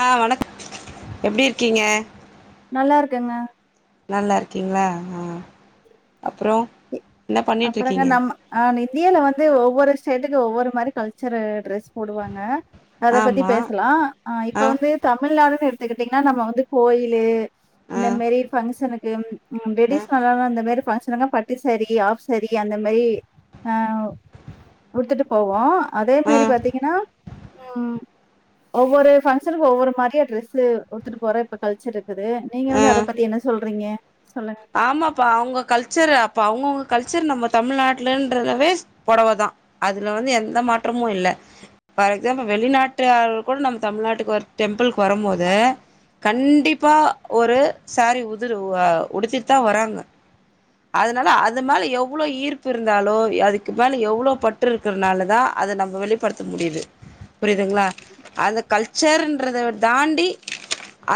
ஹா வணக்க எப்டி இருக்கீங்க நல்லா இருக்கேங்க நல்லா இருக்கீங்களா ஹா அப்பறம் அப்பறங்க நம்ம ஹானை இந்தியில வந்து ஒவ்வொரு ஸ்டேட்டுக்கு ஒவ்வொரு மாரி கல்ச்சரு டிரஸ் போடுவாங்க அத பத்தி ஆமா பேசலாம் ஹா இப்ப ஆ வந்து தமிழ்நாடுன்னு எடுத்துக்கிட்டீங்கன்னா நம்ம வந்து கோயிலு ஆ இந்த மெரி பங்க்ஷனு [unintelligible] ஆ டெடிஷனலல்லா இந்த மாரி பங்கஷனங்க பட்டு சாரி ஆப்ஷ செரி அந்த மாதிரி ஹ உடுத்துட்டு போவோம் அதே ஆ மாதிரி பாத்தீங்கன்னா உம் ஒவ்வொரு பங்க்ஷனுக்கு ஒவ்வொரு மாதிரிய ட்ரெஸ் போட்டுட்டு போறோ இப்ப கல்ச்சர்க்கு க்குது நீங்க ஆ வந்து அத பத்தி என்ன சொல்றீங்க சொல்லுங்க. ஆமாப்பா அவங்க கல்ச்சரு அப்ப அவுங்கவுகு கல்ச்சர் நம்ம தமிழ்நாட்டுலன்றவே புடவ தான் அதில வந்து எந்த மாற்றமும் இல்லை பார் எக்ஸாம்பிள் வெளிநாட்டுர்கள் கூட நம்ம தமிழ்நாட்டுக்கு டெம்பிளுக்கு வரும் போது கண்டிப்பாக ஒரு சாரி உதிர் உடுத்த தா வராங்க அதனால அது மேல எவ்ளோ ஈர்ப்பு இருந்தாலும் அதுக்கு மே எவ்ளவு பற்று இருக்கனால தான் அத நம வெளிப்படுத்த முடியுது புரியதுங்ல அந்த கச்சர்த தாண்டி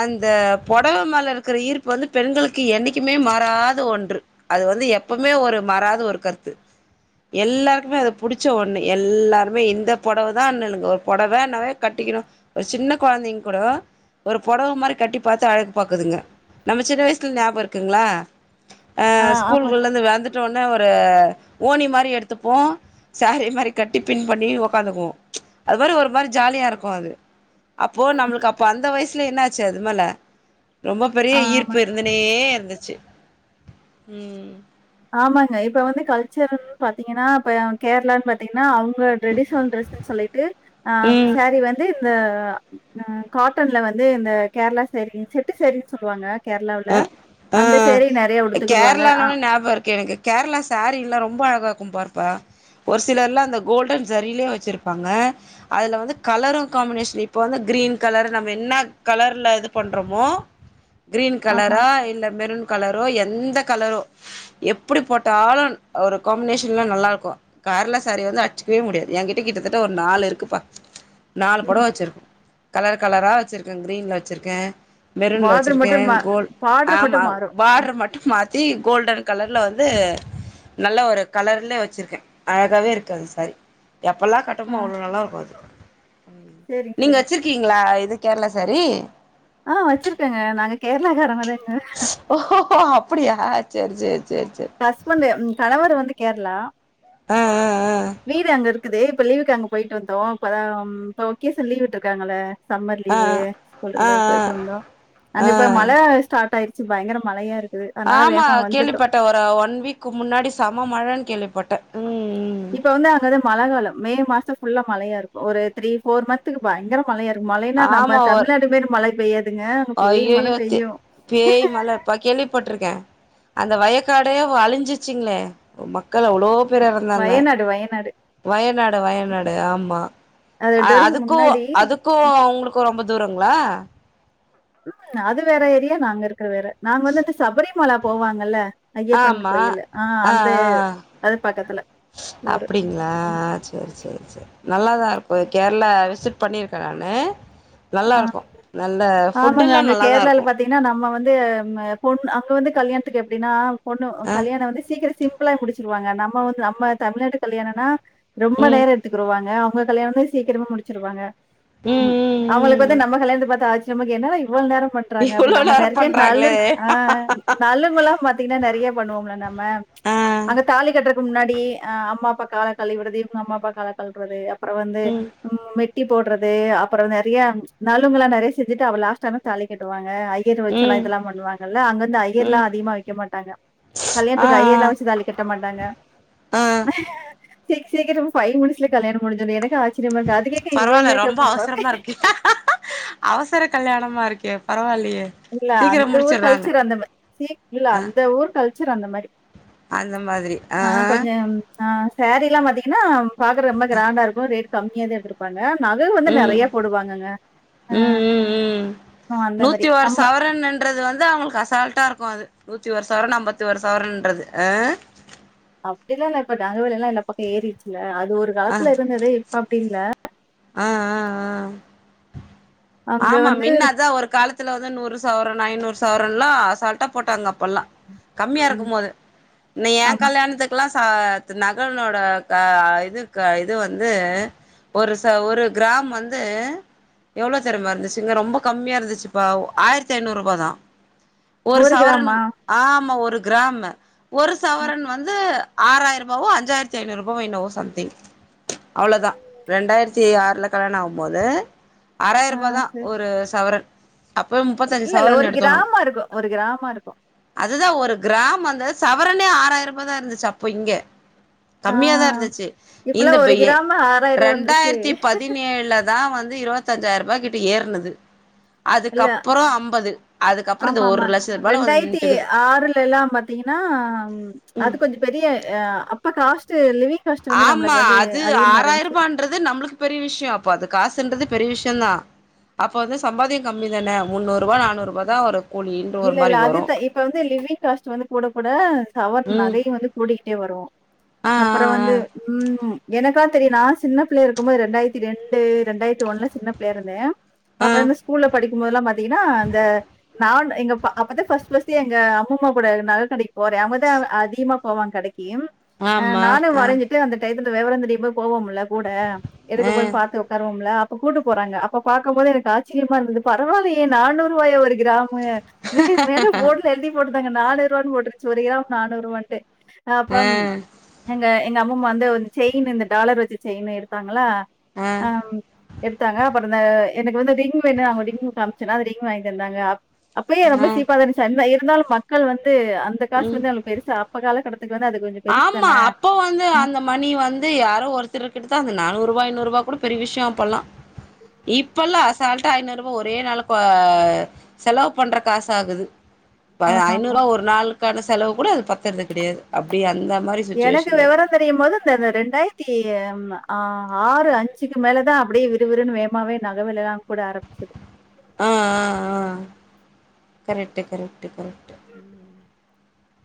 அந்த புடவ மேல இருக்கிற ஈர்ப்பு வந்து பெண்களுக்கு என்னிக் மே மாராது ஒன்று அது வந்து எப்பவுமே ஒரு மராத ஒரு கருத்து எல்லாருக்குமே அது புடிச்ச ஒண்ணு எல்லாருமே இந்த புடவ தான்ணுங்க ஒரு புடவ நாவே கட்டிக்கணும் ஒரு சின்ன கொழந்தைங்க கூட ஒரு புடவ மாதிரி கட்டி பாத்து அழ பாக்குதுங்க நம்ம சின்ன வயசுல ஞாபம் இருக்கு துங்களா அ ஆ ஆமாங்க. ஸ்கூல்குள்லந்து வந்துட்டனே ஒ அ ஓனி மாரி எடுத்துப்போம் சாரு மாரி கட்டி பின் பண்ணி உக்காந்துக்குவோ அதுமாரு ஒரு மாரி ஜாலியா இருக்கு அது அப்போ நம்மளுக்கப்ப அந்த வயஸ் ட்லி என்ன ஆச்சு அது மல ரொம்ப பெரிய ஆ ஆமா. ஈர்ப்பு இருந்துனே தச்சு ம் ஆமாங்க இப்ப வந்து கல்ச்சரல் பாத்தீங்கனா இப்ப கேரளான் பாத்தீங்கன்னா அ ங்க ட்ரெடிஷன் ட்ரஸ்ஸு சொல்லிட்டு் அ ம் சாரீ வந்து த காட்டன்ல வந்து இந்த கேரளா சேரிங்ஸ் செட்டு சேரினு சொல்லுவாங்க கேரளாவுல அ ஆ அந்த சேரி நெறைய உடுத்துக்குருவாங்க ஆ கெலக்கு கேரளா சாரீல்லா ரொம்ப அழகாக்கு பாருப்பா ஒரு சிலர் அந்த கோல்டன் ஜரில்யா வச்சிருப்பாங்க அதுல வந்து கலரு காம்னேஷ் இப்ப வந்து கிரீன் கலர் நம்ம எல்லா கலர்ல இது பண்றோமோ ஆமா. கலரா இல்ல மெருன் கலரோ எந்த கலரோ எப்டி போட்டாலுன் ஒரு காம்னேஷன்லா நல்லாருக்கோம் கார்ல சாரீ வந்து அச்சுக்கவே முடியாது யகிட்ட கிட்டத்தட்ட ஒரு நாலு இருக்குப்பா நாலு பொடவ ம். வச்சிருக்கு கலர் கலரா வச்சிருங்கே க்ரீன்ல வச்சிருக்கே மெருன்ல பார்டர் வச்சிருக்கேன் மட்டும் மா பார்டர் ஆமா மட்டும் மாறும். ம். பாட்ரு மட்டு மா த்தி கோல்டன் கலர்ல வந்து நல்லா ஒரு கலர்ல வச்சிருக்கேன் அழகாவே இருக்கு அது சாரி எப்லாம் ஆ. கட்டமோ அவ்ளோ நல்லா இருக்கு அது சரிங்க, நீங்க சரிங்க. வச்சிருக்கீங்களா இது கேரளா சேரி ஆ வச்சிருக்கேங்க நாங்க கேரளக்காரங்கத ஹோஹோ அப்டியா சேரி சேரி சேரி சேரி ஹஸ்பண்ட் ம் கணவர் வந்து கேரளா ஆ வீடு அங்க இரு க்குது இப்ப லீவுக்கு அங்க போயிட்டு வந்தோம் இப்பதா ம் இப்ப ஒக்கேச லீவ்விட்ருக்காங்கள சம்மர் ஆ ஆ லீவு ஆ ஆ ஸ்புல்டுலா போய்ட்டு வந்தோ ஆ அங்க ஆ இப்ப மழ ஸ்டார்ட் ஆய் பயங்கர மழயா இருஞ்சி இது அனால வேமா வந்துட்டோம் ஒர ஒன் வீக்கு முன்னாடி சம மழ கேள்விப்பட்டேன் இப்ப வந்து அங்கத மலகாலோ மே மாசம் புல்லா மலையா இருக்கு ஒரு த்ரீ போர் மன்த்க்கு பயங்கரோ ம மலையா இருக்கு மலைன்னா நம்ம ஆமா ஒரு தமிழ்நாட்டு மேரி மலை பெய்யாதுங்க அங்க பேய் மலை ஐயையோ தே பெய்யு பேய் மல பா கேள்விப்பட்ருக்கே அந்த வயக்காடே அலிஞ்சிச்சிங்களே மக்க மக்கள் அவ்வளோ பேர் எறந்தாங்க வயநாடு வயநாடு. வயநாடு வயநாடு ஆமா அது வருஷம் அதுக்கு முன்னாடி அதுக்கு அவங்களுக்கு ரொம்ப த போறாங்களா உம் அது வேற ஏரியா நாங்க இருக்கோ வேற நாங்க வந்துட்டு சபரிமலை போவாங்கல ஆமா ஆ ஆ அது பக்கத்துல ஊரு. அப்டிங்களா செரி செரி செரி நல்லா தா இருக்கு கேரளா விசிட் பண்ணியிருக்கே நானு ஆ நல்லாருக்கு நல்ல ஆமாங்க ஃபுட்டெல்லா அங்க நல்லாதா கேரளலா இருக்கு பாத்தீங்கன்னா நம்ம வந் பொண்ணு அங்க வந்து கல்யாணத்துக்கு எப்படினா பொண்ணு அ கல்யாணோ வந்து சீக்கிர சீ சிம்பிளா முடிச்சிருவாங்க நம்ம வந்து நம்ம தமிழ்நாட்டு கல்யாணோனா ரொம்ப ம் நேரோ எடுத்துக்குருவாங்க உங்க கல்யாணமே சீக்கிரமா முடிச்சிருவாங்க ம் அவங்களுக்கு வந்து நம்ம கல்யாணத்து பார்த்தாச் நமக்கென்னடா இப் இவ்ளோ நேரோ பண்றாங்க இவ்ளோ அப்டினு நம நேரோ பண்றாங்களே [unintelligible] நல்லுங்கலா பாத்தீங்கனா நெறைய பண்ணுவோம்ல நம்ம ஆ அங்க தாலி கட்டுற முன்னாடி ஆ அம்மா அப்பா கால கலுவி விட்றது இவங்க அம்மா அப்பா கால கலுவ்றது அப்புறம் வந்து ம் ம்ம் மெட்டி போட்றது அப்புறோ நெ நெறைய நலுங்களா நிறைய செஞ்சிட்டு அவ லாஸ்ட்டா தா தாலி கட்டுவாங் ஐயர்ரு வெச்சல்லா ம் இதெல்லா பண்ணுவாங்கல அங்க வந்து ஐயர்லா ம் அதிகமா வெக்க மாட்டாங்க ஆ கல்யாணத்துக்கு ஆ ஐயர்லா வெச்சி தாலி கட்ட மாட்டாங்க ஆ சிக் சீக்கரமா பைவ் மினிட்ஸ்ல கல்யாணோ முஞ்சது எனக்கே ஆச்சி ஆச்சியரமா இருக்கே அதுக்கு ஏ கா இவ்ளோ பரவால்ல ரொம்ப மேக்கப்பு அவசரமா இருக்கு அவசர கல்யாணமா இருக்கே பரவால்லையே இல்ல அந்த ஊர் கல்ச்சர் அந்த மாரி சீ இல்ல ஆ அந்த ஊர் கல்ச்சர் அந்த மாரி அந்த மாதிரி ஆ கொஞ்ஜோ ஆ சேரி எல்லா அதிக என்ன பாக்குற ரொம்ப கிராண்டா இருக்கு ரே கம்மியா தான் எட்டருப்பாங்க நகை வந்து ம் நிறைய போடுவாங்கங்கஹ ம் அந்த மாரி சவரன் என்றது வந்து அவங்களுக்கு அசால்டா இருக்கும் அது நூத்தி ஒரு சவரம் அம்பத்தி ஒரு சவரன்றது அஹ அப்படிலாம் இல்லா இப்பா நகைவேல எல்லாம் பக்கம் ஏறிச்சுல அது அது ஒரு காலத்துல இருந்தது இப்ப அப்புடி இல்லா ஆஹ் ஆஹ் ஆஹ் அங்க ஆமா வந்து மின்ன அதான் ஒரு காலத்துல வந்து நூறு ச சவரம் ஐநூறு சவரம் எலாம் அ சால்ட்டா போட்டாங்க அப்ப எல்லாம் கம்மியா ம். இருக்கும் போது இன் ஏ ஆமா. கல்யாணத்துக்கெல்லாம் நகரனோட இதுக்கு இது வந்து ஒரு ச ஒரு கிராம் வந்து எவ்வளோ திறமை இருந்துச்சுங்க ரொம்ப கம்மியா இருந்துச்சுப்ப ஆயிரத்தி ஐநூறு ரூபா தான் ஒரு கிராமா? சவரணும் ஆமா ஒரு கிராம்ம ஒரு சவரன் வந்து ஆறாயிர ரூபாவோ அஞ்சயிரத்து ஐநூறுபாவோ என்னோ சமிங் அவ்ளவுதான் ரெண்டாயிரத்தி ஆறு இல்ல கல்யாணம் ஆகும்போது ஆ ஆறாயிரூபா தான் சரி. ஒரு சவரன் அப்பவே முப்பத்தஞ்சு இல்ல இல்ல சவரன் ஒரு எடுத்தோ கிராம்ம இருக்கும் ஒரு கிராம்ம இருக்கும் அதுதான் ஒரு கிராம் வந்த சவரனே ஆறாயிரம் ரூபாய்ய தான் இருந்துச்சு அப்போ இங்க ஆ கம்மியாதான் இருந்துச்சு இந்த இப்பலாம் பைய்யே கிராம் ரூ. வந்துருச்சு. இரண்டாயிரத்தி பதினேழுல தான் வந்து வந்து இருபத் முப்பத்தஞ்சாயிரம் ரூபாய்க்கிட்ட ஏற்னது இல்ல இந்த ஆமா ஒரு ஆமா லட்ச ரூபால வந்து ரெண்டாயிரத்தி நின்ட்டுக்குது ஆறுல எல்லாம் பாத்தீங்கன்னா அது கொஞ்சம் பெரியஹ அப்ப காஸ்ட் [inaudible] ஆமா நம்மளுக்கு வந்து அது அதிகமா ஆறாயிரம் இருந்துச்சு. ரூபன்றது நம்மளுக்கு பெரிய விஷயம் அப்போ அதுக் காசுன்றது பெரிய விஷயம் தான் அப்ப வந்து சம்பாதியம் கம்மி தானே முன்னூறு ரூபா நானூறு ரூப தான் ஒரு கூலின்ற ஒரு இல்ல இல்ல மாரி வரும் அதுதா இப்ப வந்து லிவிங் காஸ்ட் வந்து கூட கூட சவர் ம் நகையும் வந்து கூடி இங்க வருவோம் ஆ அப்புறம் வந்து உம் எனக்காச் சரி நான் சின்ன பிள்ளை இருக்கும்போது ரெண்டாயிரத்தி ரெண்டு ரெண்டாயிரத்தி ஒன்னு சின்ன பிள்ளய இதோன் ஆ ஆ அப்ப இந்த ஸ்கூல்ல படிக் முதல்லாம் பாத்தீங்கன்னா இந்த நான் எங்க அப்பதான்ர்ஸ்ட்ஸ் எங்க எங்க எங்க அப்பா அப்ப தா பஸ்ட் பஸ்ட் எங்க அம்மாமா கூட நகை கடைக்கு போறேன் அவங்கதான் அதிகமா போவாங்க கடைக்கு என் ஆ ஆமா நானும் ஆ வரஞ்சுட்டு அந்த டையத்து விவரந்த போவோம்ல கூட எடுக்க ஆ போய் பார்த்து உக்காருவோம்ல அப்ப கூட்டு போறாங்க அப்ப பாக்கம் போது எனக்கு ஆச்சரியமா இருந்தது பரவாலயே நானூறு ரூபாயா ஒரு கிராமு மேனு போ்டுல எழுதிப் போட்டு அ நானூறுவான்னு போட்டுருச்சு ஒரு கிராம் நானூறு ரூபான்ட்டு அப்பம் ஆ எங்க எங்கள் அம்மாமா வந்து செயின் இந்த டாலர் வச்சு செயின் எடுத்தாங்களா ஆ ஆஹ் எடுத்தாங்க பறந்த எனக்கு வந்து ரிங் வேணும்ங்க ரிங் காமிச்சுன்னா அந்த ரிங் வாங்கிந தந்தாங்க அப்பயே ரொம்ப ஆ சீப்பா தான் இருச்சி அன் வயர் இருந்தாலும் மக்கள் வந்து அந்த காசு ம் வந்து பெருசா அப்ப கால கட்ட ஆமா அப்போ வந்து அந்த மணி வந்து யாரும் ஒருத்தர் கிட்ட த அந்த நானூறு ரூபா் ஐநூ ரூபா கூட பெரிய விஷயம் அப்பல்லாம் இப்பல்லாம் அசால்டா ஐநூறு ரூபா ஒரே நாளைக்கு செலவு பண்ற காசு ஆகுது இ ஆமாமா. ஐநூறுரூபா ஒரு நாள் க்கான செலவு கூட அது பத்துரது கிடாது எனக்கு விவரம் தெரியும் போது இந்த ரெண்டாயிரத்தி ஆஹ் ஆறு அஞ்சுக்கு மேலதான் அப்படியே விறுவிறுன்னு வேமாவே நகவேல எல்லாம் கூட ஆரம்பிச்சது ஆஹ் ஆஹ் ஆஹ் கரெக்ட் கரெக்ட் கரக்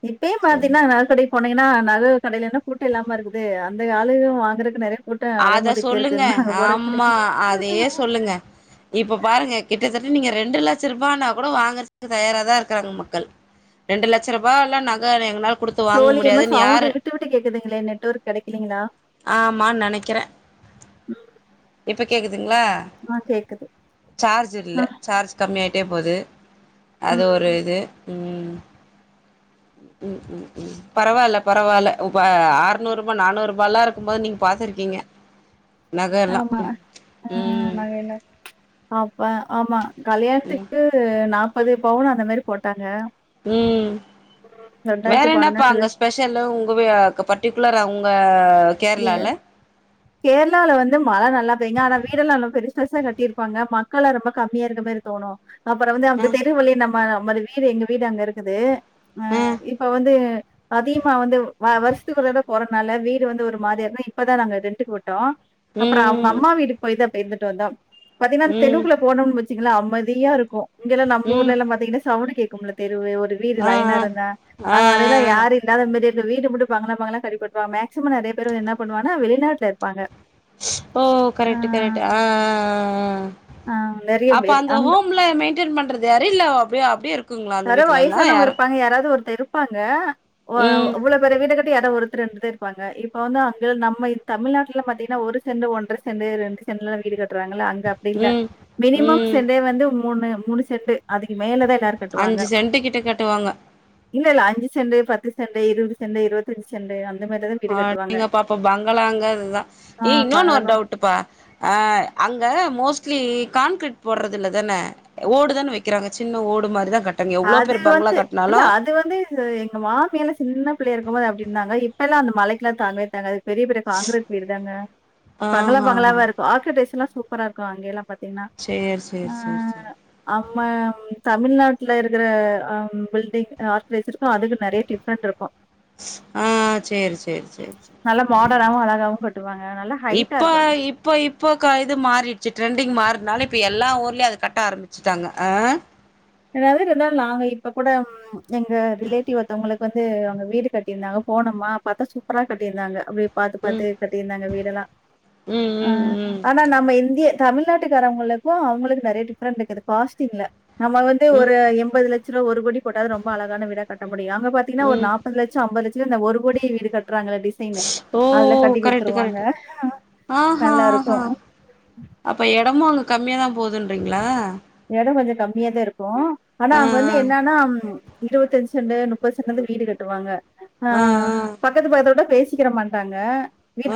இப்பயேயும் சரி பாத்தீங்கன்னா நகக்கடி போனே ஏன்னா நகை கடிலன்ன கூட்டும் இல்லாம இருக்குது அந்த ஆளு வாங்கறக்கு நிறைய அத சொல்லுங்க ஆமா அதையே சொல்லுங்க இப்ப பாருங்க கிட்டத்தட்ட நீங்க ரெண்டு லட்சம் ரூபாய கூட வாங்கறக்கு தயார தான் இருக்கிறாங்க மக்கள் ரெண்டு லட்சம் ரூபாயல்ல எங்க தோழியம்மா சவுண்ட் விட்டு விட்டு கேக்குதுங்களே நெட்வொர்க் கிடைக்கலீங்களா வக்கிறேன் துக்கிக்கிது ங்களா ஆ கேக்குது சார்ஜ் ஆ இல் சார்ஜ் கம்மிய ஆகி கே போது அது ம் ஒரு இது உம் உம் உம் பரவாயில்ல பரவாயில்ல உப்ப அறநூறு ரூபாய் நானூறு ரூபாயல்லாம் இருக்கும் போது நீங்க பாத்துருக்கீங்க நக எல்லா ஆமா ஆஹ் ம் நக எல்லா அப்பா ஆமா ம் கல்யாணத்துக்கு நாப் முப்பது பவுன் அந்த மாரி போட்டாங்க உம் வேற ரெண்டாயிரத்தி பன்னெண்டுல என்னப்பாங்க ஸ்பெஷல்லு உங்க பட்ரடிகுலரா உங்க கேரளால கேரளாலல வந்து மழை நல்லா பெய்யுங்க ஆனா வீட எல்லாம் நல்லா பெருச பெருசா கட்டியிருப்பாங்க மக்கல்லாம் ரொம்ப கம்மியா இருக்க மாதிரி தோணும் அப்புறோ வந்து அ அவுங்க தெரு வழியா நம் ம்மா நம்மோட வீடு எங்க வீடு அங்க இருக்குது அ ஆஹ் இப்ப வந்து அதிகமா வந்து வருஷத்துக்குள்ளற போறதுனால வீடு வந்து ஒரு மாறி இருந்தோ இப்பதா நாங்க ரெண்ட்டுக்கு விட் அப்புறம் அவங்க ம் அம்மா வீட்டுக்கு போய்து அப்ப இருந்துட்டு ட்டந்தா பாத்தீங்கன்னா ம் தெருவுக்குள்ள போணோன்னு வெச் ச்சுங்களா அமைதியா இருக்கு இங்கல்லா நம்ம ம் ஊர்ல எல்லா பாத்தீங்கன்னா சவுண்டு கேக் உம்லதே ஒரு வீடு ஆ லைனா இருந்தான் ஆ ஆ அவங்க அதெல்லாம் ஆ யாரும் இல்லாத மாரியே இங்க வீடு மட்டு பங்களா பங்களாவா கட்டி போட்ருவாங்க மேக்சிமம் நெறைய ந்து என்ன பண்ணுவானா வெளிநாட்டுல இருப்பாங்க ஓ ஆ, கரெக்ட்டு கரெக்ட்டு ஆஹ் ஆஹ்ஹ்ஹ் ஆ நெறைய அப்ப பேரு. அந்த அங்க ஹோம்ல மெயின்டென் பண்றது யாரு இல்ல அப்டியே அப்டியே இருக்குங்களா அந்த யாரோ வீட்லல்லா வயசானவங்க யாரு இருப்பாங்க யாராவது ஒரு இருப்பாங்க வோ ம் இவ்வளோ பெரிய வீடு கட்டி எதாஉடு ரெண்டுதே இருப்பாங்க இப்ப வந்து அங்க நம்ம தமிழ்நாட்டுல பாத்தீங்கன்னா ஒரு செண்டு ஒண்ரசெண் ரெண்டு லாம் வீடு கட்ட ட்றாங்கல்ல அங்க அப்டி இல்ல ம் மினிமம் ம் செண்டே வந்து மூணு மூணு செட்டு அதுக்கு மேல தா அஞ்சு சென்டு கிட்ட கட்டுவாங்க இல்ல இல்ல அஞ்சு செண்டு பத்து செண்டு இருபது செண்டு இருபத்தஞ்சு செண்டு அந் அடேங்கப்பா அப்ப பங்களாங்கறது இதுதா ஆ ஏய் இன்னொன்னு ஒரு பங்களாதாங்க. டவுட்டுப்பா அஹ் அங்க மோஸ்ட் க்சுவலி கான்கிரீட் போட்றது இல்லதான ஓடுதான வைக்கிறாங்க சின்ன ஓடு மாரிதா கட்டுறாங்க எவ்ளோ அது பேர் பங்களா வந்து கட்னாலு இல்ல அது வந்து எங்க மாமி எல்லாம சின்ன பிள்ளையா இருக்கும்போது அப்டி இருந்தாங்க இப்பெல்லாம் அந்த மலைக்கெல்லாம் தாங்கவே தாங்காது பெரிய பெரிய கான்க்ரீட் வீடு தாங்க பங்களா ஆஹா ஹா பங்களாவா இருக்கும் ஆயூடேஷன்லா சூப்பரா இருக்கும் அங்கேல்லாம் பாத்தா ன்னா சேரி சேரி ஆ சேரி சேரி அ நம்ம தமிழ்நாடு ட்ல இருக்குற அம் பில்டிங் [unintelligible] அதுக்கும் நெறைய டிஃப்ரெண்ட் இருக்கும் ஆஹ் சேரி சேரி சேரி நல்லா சேரி ம் மாடர்னாவு அழகாவு கட்டுவாங்க நல்லா ஹைட்டா இப்ப இருக்கு இப்ப இப்ப கா இது மாறிடுச்சு ட்ரெண்டிங் மாறனால இப்போ எல்லா ஊர்லேயையும் அதை கட்ட ஆரம்பிச்சட்டாங்க ஆ ஏதாவது இருந்தாலு நாங்க இப்ப கூட எங்க ரிலேட்டிவ்த்தவங்களுக்கு வந்து அவங்க வீடு கட்டியிருந்தாங்க போனோம்மா பாத்தா சூப்பரா கட்டியிருந்தாங்க அப்டி பாாரத்து ம் பாாரத்து கட்டியிருந்தாங்க வீடல்லாம் ம் ஆஹ் ம் ஆனா நம்ம இந்திய தமிழ்நாட்டுக்காரங்களுக்கும் அவங்களுக்கு நிறைய டிஃபரெண்ட் இருக்குது காஸ்டிமுல நம் ம் ஒரு எண்பது லட்சம் ச்சுல ஒரு கோடி போட்டாவது ரொம்ப அழகான வீடா கட்டணு ப்டி அங்க பாத்தீங்கன்னா ஒரு ம் ம் நாப்பது லட்ச அம்பது லட்ச ஒரு கோடி வீடுகள் ஓ கரெக்ட் குடுத்துருவாங்க. கரெக்ட் ஆஹ்ஹ ஆஹஹா நல்லாருக்கும். அப்ப இடமாங்க கம்மியாதா போகுதுன்றீங்களா எடோ கொஞ்ச கம்மியதா இருக்கு ஆனா ஆ அங்க வந்து என்னன்னா இருபத்தஞ்சு செண்டு நுப்பது செண்டுலதா வீடு கட்டுவாங்க ஆ ஆ ஆஹ் பக்கத்து பக்கத்துல விட பேச சீக்கிர பண்ட்டாங்க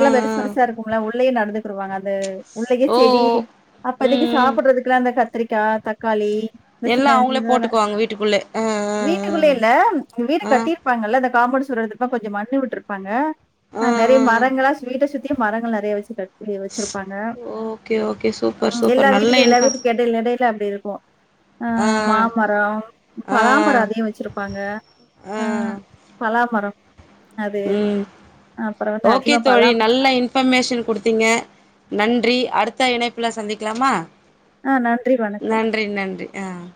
ஆ பெருசு ஆ பெருசா இருக்குங்களா உள்ளயே நடந்து ப்பருவாங்க அது உளைக்க ஓ செடி அப்பதைக்கு ம் ம் சாப்பிடுறதுக்கெல்லாம் அந்த க கத்திரிக்கா தக்காளி இந்த எல்லா சின்ன இது அவங்களே இதால போட்டுக்குவாங்க வீட்டுக்குள்ளே ஆ வீட்டுக்குள்ள இல்ல வீடு ஆ ஆ கட்டிருப்பாங்க இல்ல இந்த காப்படு சொல்றதுப்பா கொஞ்சம் மண்ணி விட்டுருப்பாங்க ஆ ஆஹ் நிறைய ஆ மரங்களா ஸ்வீட்ட சுத்தி மரங்கள் நிறைய வச்சு கட்டி வச்சிருப்பாங்க. ஓகே ஓகே சூப்பர் சூப்பர் நல்ல இன்ஃபர் நிலையில அப்படி இருக்கும் ஆ அஹ் மாமரம் ஆ பலாமரம் அதிகம் வச்சிருப்பாங்க அஹ் பலாமரம் அது. உம் அப்புறம் வந்து ஓகே அதிகமா தோழி பலாம நல்ல இன்பர்மேஷன் கொடுத்தீங்க நன்றி அடுத்த இணைப்பு ப்புல சந்திக்கலாமா ஆ நன்றி வணக்கம். நன்றி நன்றி ஆஹ்